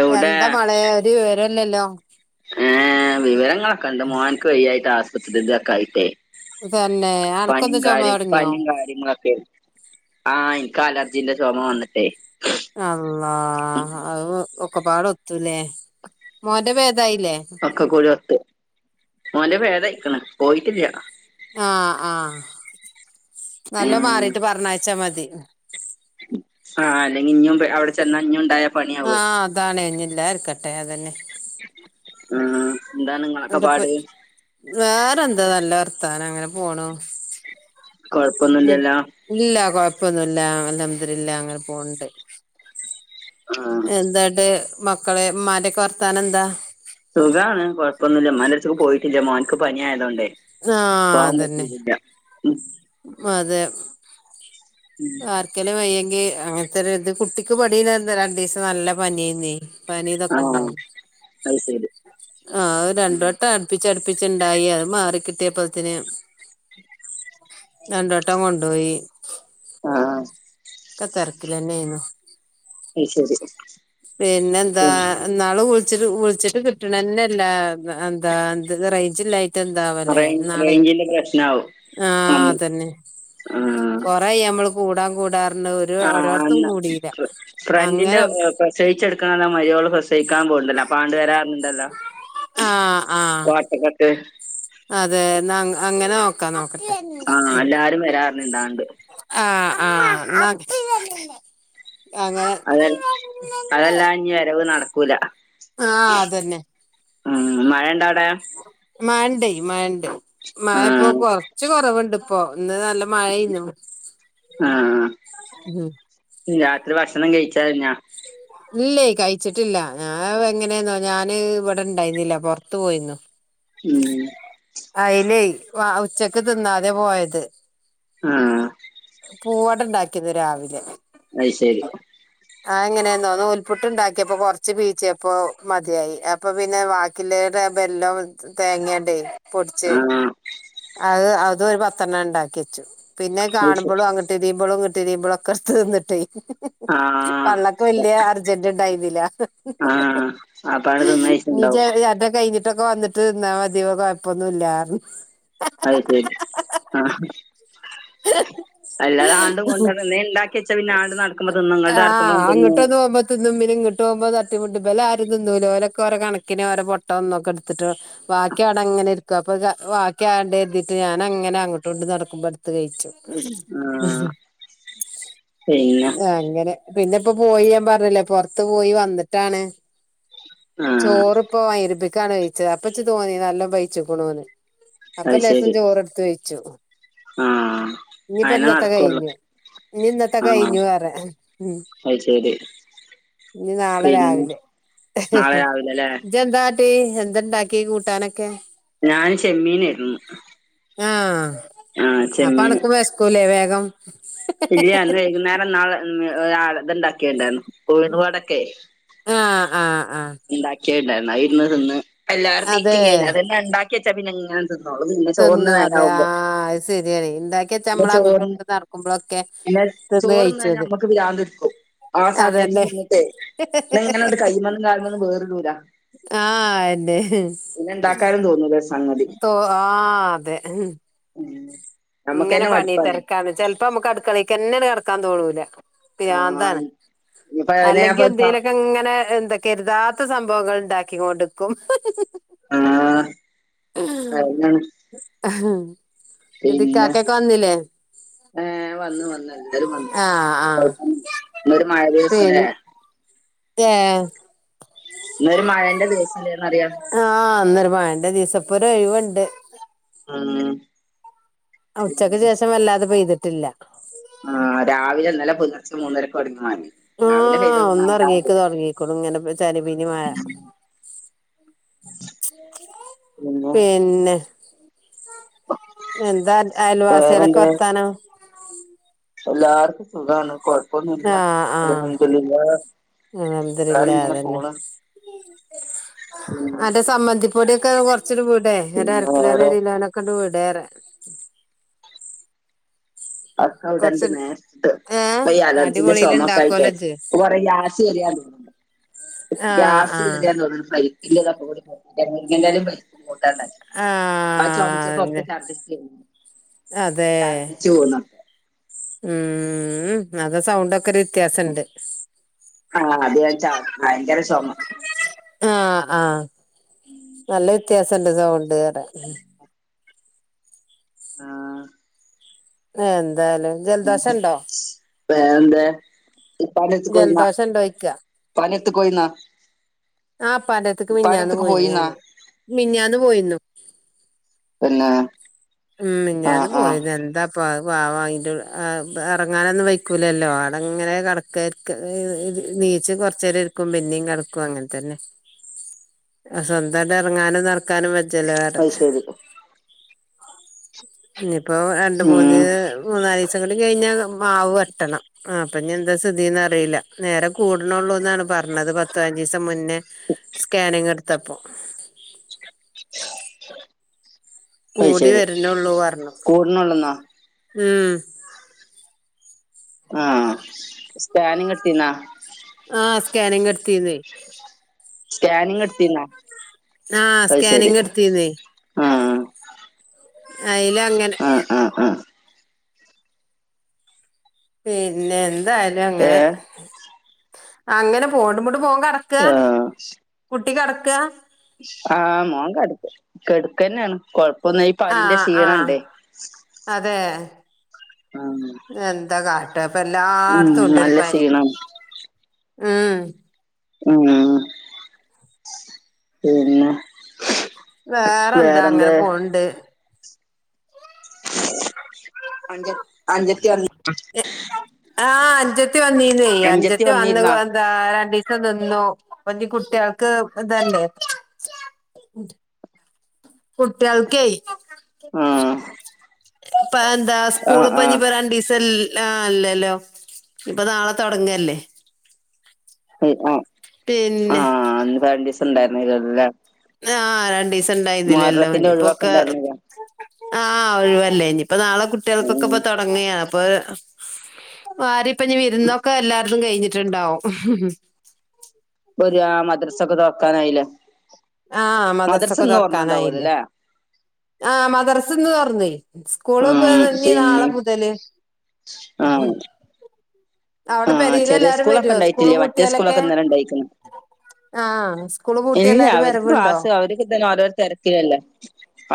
എവിടെ എന്താ മളേ ഒരു വിവരുല്ലലോ ഏഹ് വിവരങ്ങളൊക്കെ ഉണ്ട് മോൻക്ക് വയ്യായിട്ട് ആശുപത്രി ഇതൊക്കെ ആയിട്ടേ തന്നെ പനിം അനക്കൊന്ന് ചുമ കാര്യം തുടങ്ങിയോ പനി കാ [unintelligible] ആഹ് ഇൻക്ക് അലർജീന്റെ ചൊമ വന്നിട്ടെ അള്ളാ അത് ഒക്കെപാട ഒത്തൂലേ മോന്റെ ഭേദായില്ലേ ഒക്കെ കൂടി ഒത്ത് മോന്റെ ഭേദായിക്ക്ണ് പോയിട്ടില്ല്യ ആഹ് ആഹ് നല്ല ഉം മാറിട്ട് പർഞ്ഞയച്ച മതി. ആഹ് അല്ലെങ്കി ഇഞ്ഞും അവിടെ ചെന്ന ഇഞ്ഞും ഉണ്ടായ പണിയാവേ ആഹ് അതാണ് ഇഞ്ഞ്‌ ഇല്ലായിരിക്കട്ടെ അതന്നെ ഉം ന്താണ് ഇ ന്ന്ട്ട് ഇപ് വേറെന്താ നല്ല വർത്താനം അങ്ങനെ പോണു കൊഴ്പ്പൊന്നുല്ലല്ലോ ഇല്ല കൊഴ്പ്പൊന്നുല്ല അൽഹംദുലില്ലാഹ് അങ്ങനെ പോണ്ട് ആ എന്താട്ട് മക്കളെ ഇമ്മാന്റെക്കെ വർത്താനന്താ സുഖാണ്. കൊഴ്പ്പൊന്നുല്ല. ഇമ്മാന്റെട്ത്ത്ക്ക് പോയിട്ടില്ല. മോൻക്ക് പനി ആയതോണ്ടെ ആഹ് പോവാൻ അതന്നെ പറ്റീട്ടില്ല അതെ ആർക്കെലും വയ്യെങ്കി അങ്ങ ഇത്രം ഇത് കുട്ടിക്ക് പണില്ലെന്ന് രണ്ടീസം നല്ല പനിയേന്നേ പനിതൊക്കെ ഉം ഇണ്ടായ്ന്നു ആ അത് ശരി ആഹ് അത് ഉം രണ്ടുവെട്ടം അട്പ്പിച് അട്പ്പിച്ച്ണ്ടായി. അത് മാറിക്കിട്ടിയപ്പഴ്ത്തിന് രണ്ടുവെട്ടം കൊണ്ടോയി ആഹ് ആഹ് ലെന്നേന്നു അയ് ശെരി പിന്നെന്താ ഇന്നാള് വുൾച്ചിട്ട് വുൾച്ചിട്ട് കിട്ട്ണന്നെല്ല. എന്താ എന്തന്ന് റേഞ്ച് ഇല്ല യ്ട്ടെന്താവല്ലേ റേഞ്ച് ഇന്നാളെ റേഞ്ചിന്റെ പ്രശ്നാവും ആഹ് അന്ന് അതന്നെ ആഹ് കൊ റേ ആയി നമ്മള് കൂടാ കൂടാർഞ്ഞ്‌ ഒരു ആഹ് ഓരോട്ത്തും അന്ന് കൂടിയില്ല അങ്ങനെ പ്രസവിച്ചെട്ക്ക്ണാന്ന് ആ മരോള് പ്രസവിക്കാൻ പോക്ണ്ടല്ല അപ്പ ആണ്ട് വരാ ണ്ടല്ലോ ആഹ് ആഹ് കോട്ടക്കട്ട് അതെ ന്നാ അങ്ങനെ നോക്കാ നോക്കട്ടെ ആഹ് എല്ലാരും [unintelligible] ആഹ് ആഹ് അങ്ങെനെ അതെ അതെല്ലാ ഇനി വരവ് നടക്കൂല ആഹ് അതന്നെ ഉം മഴണ്ടോ അവ്ടെ മഴണ്ട് മഴണ്ട് മഴ ഇപ്പൊ ആഹ് കൊർച്ച് കൊറവുണ്ട് ഇപ്പോ ഇന്ന് നല്ല മഴെന്നു ആഹ് ഉം രാത്രി ഭക്ഷണം കഴിച് കഴിഞ്ഞ ഇല്ലെ കഴിച്ചിട്ടില്ല ഞാൻ എങ്ങനെന്നോ ഞാൻ ഇവിടെ ഇണ്ടായിരുന്നില്ല പൊർത്തു പോയിന്നു ഉം അയിലേ ഉച്ചക്ക് തിന്നാതെ പോയത് ആഹ് പൂവാട ഉണ്ടാക്കിന്നു രാവിലെ അയ്ശരി ആയ് എങ്ങനെ എന്തോന്ന നുൽപുട്ടുണ്ടാക്കിയപ്പോ കൊർച്ച് പീച്ചിയപ്പോ മതിയായി അപ്പൊ പിന്നെ വാക്കിലടെ ബെല്ലം തേങ്ങേടെ പൊട്ച്ച് ആഹ് അത് അത് ഒരു പത്തെണ്ണം ഇണ്ടാക്കി വെച്ചു പിന്നെ അത് ശരി കാണുമ്പോളും അഹ് [unintelligible] ആഹ് ഇപ്പൊ വല്യ അർജന്റിണ്ടായിർന്നില്ല ആഹ് അപ്പാട് നിജ്ജ് തിന്നയിച്ചിണ്ടാവും അന്റെ കഴിഞ്ഞി ട്ടൊക്കൊ വന്നിട്ട് തിന്നാ മതിവൊ കൊയ്പ്പോന്നു ഇല്ലാർഞ്ഞ് അയ്ശരി ആഹ് അല്ലാതാണ്ടും കൊണ്ട് കൊഴപ്പൊന്നുമില്ലാന്ന് നടന്ന് നി ണ്ടാക്കി വെച്ചാ പിന്നെ ആണ്ട് നടക്കുമ്പ തിന്ന ഇങ്ങട്ട് നടക്കമ്പ ആഹ് തിന്ന് അങ്ങോട്ടൊന്ന് പോകുമ്പോ തിന്നും പിന്നിങ്ങട്ട് പോമ്പ തട്ടിമുട്ടി ഇബലാരും തിന്നൂല്ല ഓലൊക്കൊ ഓലകണക്കിന് ഓര പൊട്ട ഒന്നൊക്കെ എടുത്തിട്ട് വാക്കി അവ്ടങ്ങനെ ഇരിക്കും അപ്പ വാ വാക്കി ആടെ എർതിട്ട് ഞാനങ്ങനെ അങ്ങട്ടുവിങ്ങട്ടു നടക്കുമ്പ ഇട്ത്ത് കഴ്ച്ചും ആ പിന്നെ അങ്ങനെ പിന്നെ ഇപ്പ പോയി ഞാൻ പർഞ്ഞില്ലേ പൊർത്ത് പോയി വന്നിട്ടാണ് ആ ചോറിപ്പ മൈരിപ്പിക്കാണ് കയിച്ചത് അപ്പച്ച് തോന്നി നല്ല പയ്ച്ചുക്ക്ണൂന്ന് അപ്പ അത് ലേസം ശരി ചോറെടുത്ത് കയ്ച്ചു ആ ഇനിയിപ്പ അങ്ങനെ ഇന്നത്തെ നടക്കുള്ളു കഴിഞ്ഞു ഇനി ഇന്നത്തെ കഴിഞ്ഞു പറേ ഉം അയ്ശരി ഇനി നാളെ രാവിലെ നാളെ രാവിലെ അല്ലേ ഇജ്ജെന്താട്ടി എന്താണ്ടാക്കി കൂട്ടാനൊക്കെ ഞാന് ചെമ്മീനായിർന്നു ആഹ് അപ്പ ചെമ്മീൻ അന്ക്കു വെശ്ക്കൂല്ലെ വേഗം ഇല്ല്യ ഇന്ന് വൈകുന്നേരം നാളെ ആള് ഇതിണ്ടാക്കിയണ്ടായിരുന്നു ഉഴ്ന്ന് വടൊക്കെ ആഹ് ആഹ് ആഹ് ഇണ്ടാക്കിയണ്ടായിരുന്നു അയിരുന്ന് തിന്ന് എല്ലാറ് തീറ്റി അതെ കഴിഞ്ഞ് അതന്നെ ഇണ്ടാക്കി വെച്ചാ പിന്നെ ഇങ്ങനെ തിന്നോളു പിന്നെ ചോറിന് തിന്നു അതെ നേരാവുമ്പൊ ആഹ് അത് ശരിയാണ് ഇണ്ടാക്കി വെച്ച പിന്നെ നമ്മള് അങ്ങോട്ടും ചോറി ഇങ്ങോട്ടും നടക്കുമ്പോഴൊക്കെ പിന്നെ തിന്ന് ചോറ്ന്നഴിഞ്ഞ കഴിച്ചത് ഞമ്മക്ക് പ്രാന്തിടിക്കും ആ സമയത്ത് അതന്നെ തിന്നിട്ടേ എന്നിങ്ങനെ അങ്ങട്ട് കൈയ്യുമേന്നും കാല്മ്മേന്നുംവേറുടൂല്ല ആഹ് അതെന്നെ ഇണ്ടാക്കാനും തോന്നൂല സംഗതി തോ ആഹ് അതെ ഉം ഇങ്ങനെ നമ്മക്കന്നെ പണി മടുപ്പാണ് തെരക്കാന്ന് ചെൽ പ്പൊമുക്ക് അടുക്കളേക്കന്നെ അങ്ങട്ട് കടക്കാൻ തോന്നൂല പ്രാന്താണ് ആഹ് ഇനിപ്പ അതിനെ അല്ലെങ്കി ഞാപ്പ എന്തേലൊക്കെ ഇങ്ങനെ എന്തെ കെർതാത്ത സംഭവങ്ങൾ ഇണ്ടാക്കികോണ്ടിക്കും ആഹ് ഉം അതെന്നാണ് പിന്നെ എന്തിക്കാക്കെക്കെ വന്നില്ലെ ഏഹ് വന്നു വന്നു എല്ലാരും വന്നു ആഹ് ആഹ് കൊഴപ്പൊന്നില്ല ഇന്നൊരു മഴ ദിവസല്ലേ പിന് ഏഹ് ഇന്നൊരു മഴേന്റെ ദിവസല്ലേന്നറിയ ആഹ് ഇന്നൊരു മഴേന്റെ ദിവസ ഇപ്പൊരു ഒഴിവൊണ്ട് ഉം ഉച്ചക്ക് ശേഷം വല്ലാതെ പെയ്തിട്ടില്ല ആഹ് രാവിലെ ഇന്നലെ പുലർച്ചെ മൂന്നര ആഹ് ഒന്നൊറങ്ങീക്ക് പെയ്തിട്ടില്ല തൊട്ങ്ങീക്ക്ണു ഇങ്ങനെ ചരി പിനി മഴ പിന്നെ എന്താ അയൽവാസിയാലൊക്കെ വർത്താനം എല്ലാവർക്കും സുഖാണ് കൊയ് ആഹ് ആഹ് അൽഹമ്ദിലിള്ള എല്ലാരും ഇങ്ങനെ അതന്നെ പോണ് ഉം അന്റെ സമ്മന്തിപ്പൊടിക്കെ കൊർച്ചിട് വിടേ ഒരു പിന്നെ അരക്കിലോന വേറെ ഒരു കിലോനൊ കിണ്ട് വിടേ [unintelligible] അക്ക വിടണ്ട് കൊറച്ച് നേരിട്ട് ഏ ഇപ്പയ് അലർജീന്റെ അടിപൊളിൽ ചെമക്ക ആയിട്ടെ ഇണ്ടാക്കുവല്ലോ ഇജ്ജ് ഇപ്പ കൊറെ യാശേറിയാണ്‌ടെ ആഹ് ഗ്യാസ് ആഹ് കേറിയാന്ന്തോന്നണു ഫ്ലൈറ്റിന്റെതക്കൊക്കൂടി മുറിങ്ങന്റെലിം പരിപ്പും കൂട്ടാണ്ടാക്കി ആ ചൊമ്ച്ചപ്പം ആഹ് ഒക്കെ ഛർദിച്ചേ അതേ ഉം അത സൗണ്ടൊക്കെ ഒരു വ്യത്യാസണ്ട് ആഹ് അത്കഴിച്ച ഭയങ്കര ചൊമ ആഹ് ആഹ് നല്ല വ്യത്യാസംണ്ട് സൗണ്ട് പറിയ ആഹ് എന്തായാലും ജലദോഷണ്ടോ വേറെന്തേ ഉപ്പാന്റെട്ത്ത്ക്ക് പോയിനോ ജലദോഷണ്ടോയ്ക്ക പ്പാന്റെട്ത്ത്ക്കു പോയിന്നോ ആഹ് പാന്റട്ത്തേക്ക് മിഞ്ഞാന്ന് പോയിന്നു പോയിന്നാ ഞാന് മിഞ്ഞാന്ന് പോയിർന്നു പിന്നെ ഉം ആഹ് മിഞ്ഞാന്ന് ആഹ് പോയതാ എന്താ പ്പാ പാവായിട്ടു അ എർങ്ങാനൊന്നും വയ്ക്കൂലല്ലോ ആവ്ടങ്ങനെ കെടക്കാ ക്ക് [unintelligible] നീച്ച് കൊറച്ചേരം ഇർക്കും പിന്നിം കെട്ക്കും അങ്ങൻത്തന്നെ സ്വന്തായിട്ട് എർങ്ങാനും നട്ക്കാനും വെജല്ലോറിയ അത് ശരി ഇനിപ്പോ രണ്ട് ഉം മൂന്ന് മൂന്നാലീസം കണ്ട് കഴിഞ്ഞാൽ മാവ് വെട്ടണം ആ അപ്പൊ ഞ് എന്താചാ ഇതീന്ന് അറീല്ല നേരെ കൂട്ണള്ളൂന്നാണ് പർ ഞ്ഞത് പത്തു പയ്ഞ്ഞീസം മുന്നേ സ്കാനിങ് ഇട്ത്തപ്പോ അയ് കൂടി ശെരി വരണുള്ളൂ പറഞ്ഞു കൂട്ണൊള്ളൂന്നോ ഉം ആഹ് സ്കാനിങ് ഇട്ത്തിനോ ആഹ് സ്കാനിങ് ഇട്ത്തീനു സ്കാനിങ് ഇട് ത്തിര്ന്നോ ആ അയ് ശെരി സ്കാനിങ് എടുത്തീന്നേ അയ്ലങ്ങനെ ആഹ് ആഹ് ആഹ് പിന്നെ എന്തായാലും അങ്ങനെ ഏഹ് അങ്ങനെ പോണ്ട് [unintelligible] ക്ക് ആഹ് കുട്ടി കടക്കാ ആഹ് മോൻ കട്ക്ക കെടക്കന്നെണ് കൊഴ് ഇപ്പൊന്നെ ഈ പനിന്റെ ആഹ് ആഹ് ക്ഷീണണ്ടേ അതെ ആഹ് എന്താ കാട്ടാ അപ്പ ഉം എല്ലായിടത്തും ഉണ്ടൊരു നല്ല പ ക്ഷീണം ആഹ് ആഹ പിന്നെ വേറെ എന്താ വേറെന്ത് ങ്ങനെ പോൻണ്ട് അഞ്ച് ആഹ അഞ്ചത്തി വന്നീന്ന് അഞ്ചത്തി വന്ന് ആഹ രണ്ടീസം നിന്നു ഇപ്പ ഞ്ഞ് കുട്ടികൾക്ക് ഇതല്ലേ കുട്ട്യാൾക്കെ ആഹ് ഇപ്പ എന്താ ആഹ് സ്കൂള് പഞ്ഞി പോരാൻ ആഹ് രണ്ടീസം ലാ അല്ലല്ലോ ഇപ്പൊ നാളെ തൊടങ്ങല്ലേ ഉം ആ ഹആ പിന്നെ ഇപ്പരണ്ടീസം ഇണ്ടായിരുന്നല്ലലെ ആ ഹ രണ്ടിസെണ്ടായിരുന്നില്ലേല്ലാം ഇഞ്ഞ് ഇപ്പൊക്കെ ഒഴിവാക്കണ്ടായിരുന്നില്ല ആഹ ഒഴിവല്ലെ ഇനിയിപ്പ നാളെ കുട്ടികൾക്കൊക്കെ ഉം ഇപ്പ തൊ തുടങ്ങാണ് അപ്പൊ പാറി വെരുന്നൊക്കെ എല്ലാവർക്കും കഴിഞ്ഞിട്ടുണ്ടാവും ഹും ഹും ഒരു ആഹ മദ്രസ്സൊക്കെ തൊറക്കാനായില്ലെ ആഹ മദ്രസ്സോക്കെ തൊർക്കാനായില്ലേ തുറന്നുണ്ടാവുമല്ലോല്ലേ ആഹമദ്രസ്സയിന്നു തൊർന്ന് സ്കൂളിപ്പോ ഉം ഇനി നാളെ പിന്നെ മുതല് ആഹ് അവിടെ ആഹ് പെരേല് ചെറിയ എല്ലാരും സ്കൂളൊക്കെ വരുവോ സ്കൂള് ഉണ്ടായിട്ടില്ലേ മറ്റേ പൂട്ടിയാലൊക്കെ സ്കൂളൊക്കെ ഇന്നലെ ഉണ്ടായിക്കണ് ആഹ സ്കൂള് പൂട്ടിയ ഇല്ല എല്ലാ അവർക്ക് ക്ലാസ് അവർക്ക് ഇ തന്നെ ഓരോര തെരക്കിലല്ലേ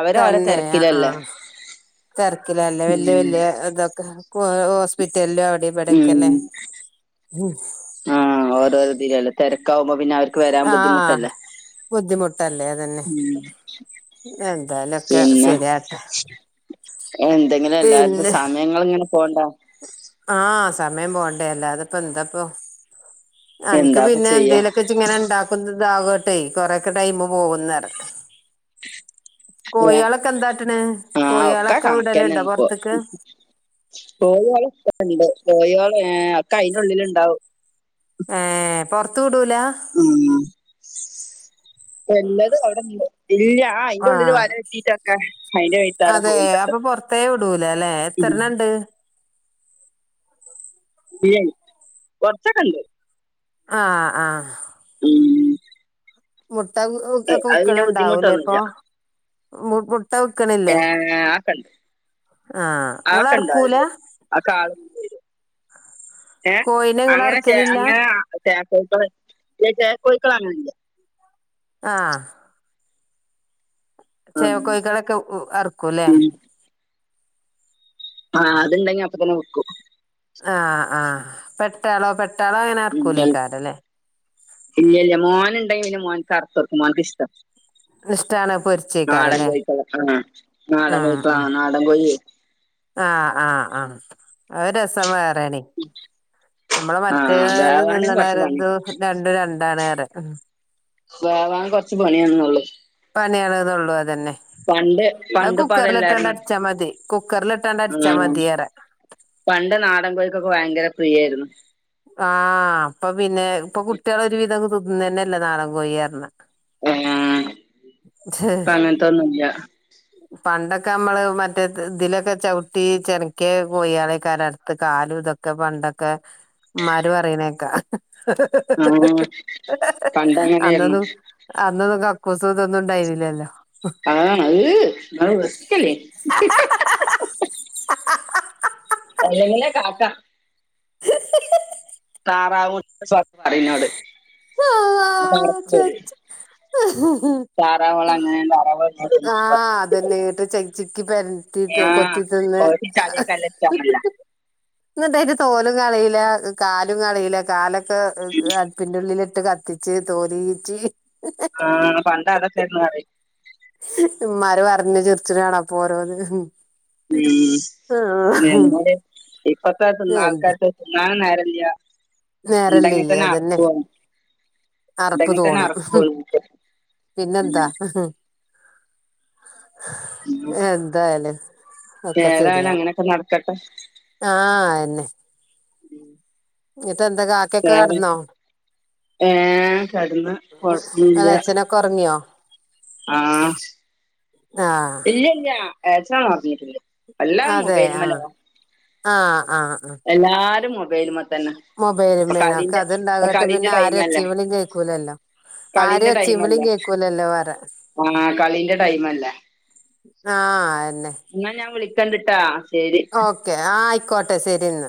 അവര ഓരോ തെരക്കിലല്ലേ തെരക്കിലാല്ലേ വല്യ വല്യ ഇതൊക്കെ ഹോസ്പിറ്റലില് അവിടെ ഇവിടെക്കല്ലേ ആഹ ഓരോരിതിലല്ലേ തെരക്കാവുമ്പോ പിന്നെ അവർക്ക് വരാൻ ആഹ് ബുദ്ധിമുട്ടല്ലേ ബുദ്ധിമുട്ടല്ലേ അതന്നെ ഉം എന്തായാലൊക്കെ ശെരിയാവട്ടെ എന്തെങ്കിലു എല്ലാര്ക്കും സമയങ്ങള്ങ്ങനെ പോണ്ടെ ആഹ് സമയം പോണ്ടേ അല്ലാതെപ്പോ എന്താപ്പൊ അൻക്ക് എന്താപ്പ പിന്നെ ചെയ്യാ എന്തേലൊക്കെ ച്ച് ങ്ങനെ ണ്ടാക്കും താകോട്ടെ കൊറെക്കെ ടൈമ് പോകുന്നറയ ഏഹ് എന്താട്ടണ് ആഹ ഒക്കെ കോഴിയാളൊക്കെ വിടലുണ്ടോ കണക്കന്നെണ് ഇപോ പൊറത്ത്ക്ക് കോഴിയാളൊക്കെണ്ട് കോഴിയാളേ ഒക്കയ്ന്റൊള്ളില് ണ്ടാവും ഏഹ് പൊർത്ത് വിടൂല ഉം എല്ലാതും അവിടെണ്ട് ഇല്ല ആഹ് അയ്ന്റൊള്ളില് വലട്ടീട്ടൊക്കെ അയ്ന്റെ വൈത്താലെ അതെ പോകുംന്നണ്ട് അപ്പൊ പൊറത്തേ വിടൂല അല്ലെ എത്രണ്ണണ്ട് കൊർച്ചൊക്കണ്ട് ആഹ് ആഹ് ഉം മുട്ട വി അത് പിന്നെ വിക്ക്ണ്ണ്ടാകുല്ലെപ്പൊ ബുദ്ധിമുട്ടൊന്നുല്ല മു മു ട്ട വിക്ക്ണില്ലേ ഏഹ് ആക്കെണ്ട് ആഹ് ങ്ങളർക്കൂല ആ കാ ഏ കോയിനെ അങ്ങനെ ചേ ഇങ്ങളറക്കലില്ല അങ്ങനെ ചേക്കോയിക്കള് ഇല്ല ചേ കോയിക്കളണ് ള്ളത് ആഹ് ഉം ചേക്കോഴിക്കളൊക്കെ അർക്കുംല്ലേ ഉം ആഹ് അത്ണ്ടെങ്കി അപ്പൊ തന്നെ വെക്കും ആഹ് ആഹ് പെട്ടാളോ ഉം പെട്ടാളങ്ങനർക്കൂലേക്കാരല്ലേ ഇല്ല്യല്ല മോന് ണ്ടെങ്കില് മോൻക്കർത്തെക്കും മോൻക്കിഷ്ട [unintelligible] ഇഷ്ട്ടാണ് പൊരിച്ചേക്കരല്ലേ കോഴിക്കള് ആഹ് നാടൻ ആഹ് കോഴിക്കളാ ആഹ് നാടൻ കോഴി ആഹ് ആഹ് ആഹ് അത് രസം വേറെണെയ് നമ്മള് മറ്റേ ആഹ് മാരി വേവാന് തിന്ന്ണ കൊറച്ച് മാരി പണി ഇത് രണ്ടും രണ്ടാണ് റയ വേവാൻ കൊർച്ച് പണിയാന്നൊള്ളൂ പണിയാണ്ന്നൊള്ളൂ അതന്നെ പണ്ട് അത് പണ്ടിപ്പ അതല്ലാരുന്നോ കുക്കർല്ട്ടാണ്ടട്ച്ചാ മതി കുക്കർല്ട്ടാണ്ടട്ച്ചാ ആഹ് മതി പറയ പണ്ട് നാടൻ കോയിക്കൊക്കെ ഭയങ്കര പ്രിയേര്ന്നു ആഹ് അപ്പൊ പിന്നെ പ്പ കുട്ടിയാളൊരു വിതൊന്നും തിന്നെല്ല നാടം കോയിയാർന്ന ഏഹ് പ്പ ങ്ങൻത്തൊന്നുല്ല പണ്ടൊക്കമ്മള് മറ്റേ ത് തിലൊക്കെ ചവ്ട്ടി ചെനക്ക്യെ കോയിയാളെക്കരർത്ത് കാലു തൊ ക്കെ പണ്ടൊക്കെ മ്മാര് പറീണേക്കാ ആഹ് പണ്ടങ്ങനെയായിരുന്നു അന്നൊന്നും അന്നൊന്നും കക്കൂസുതൊന്നും ണ്ടായ്ന്നില്ലല്ലോ അതാണ് അഹ് അത് സ്ട്ടല്ലെയ്നു അല്ലെങ്കിലെ കണക്കാ താറാവും [unintelligible] [unintelligible] താറാവുകള് ഇങ്ങനെ തിന്നും പറയും ആഹ് അതന്നെ ന്നട്ട് ച ചിക്ക് പരക്കി കൊത്തിത്തിന്ന് ചളിയൊക്കല്ലഷ്ട്ടാനല്ലോ ന്നട്ടയ്ന്റെ തോലും കളയില കാലും കളയില കാലൊക്കെ അട്പിന്റൊള്ളില ട്ട് കത്തിച്ച് തോല് കീച്ചി ആഹ് പണ്ടതൊക്കൊര്ന്നു പറിയും മ്മാര് പർഞ് ചിർച്ച്ണാണപ്പോരോന്ന് ഉം [unintelligible] ഇപ്പത്തേ എന്ത് തിന്നാൾക്കാര്ക്ക് തിന്നാ നേരല്ല നേരല്ലേ ണ്ടെങ്കി തന്നെ അതന്നെ അർപ്പു ആണ് അറപ്പ് ണ്ടെങ്കി തന്നെ തോണും അർപ്പു ഉം എന്തായ്ലും ഒക്കെ ഏതായാലും സെര്യാവും അങ്ങനെയൊക്കെ നടക്കട്ടെ ആഹ് അയന്നെ എന്നിട്ട് എന്താ കാ വേറെ ഏഹ് കെടന്ന് കൊഴപ്പൊന്നില്ല കൊറങ്ങിയോ ആഹ് ആഹ് ഇല്ല്യ ഇല്ല [unintelligible] അതെ മൊബൈലുമ്മലാ ആഹ് ആഹ് ആഹ് എല്ലാരും മൊബൈല്മ്മത്തന്നെ മൊബൈലുമ്മേന ഒക്കെ അതുണ്ടാകട്ട് പിന്നെ ആരെ ടൈമല്ലേ ഒച്ചേ വിളി കേക്കൂലല്ലോ ആരെ കളീന്റെ ഒച്ചേ വിളി ടൈമല്ലേ കേക്കൂലല്ലോ പറ ആഹ് കളീന്റെ ടൈമല്ലേ ആഹ് യെന്നെ എന്നാ ഞാൻ വിളിക്കണ്ടിട്ടാ ശെരി ഓക്കെ ആയിക്കോട്ടെ സെരിന്ന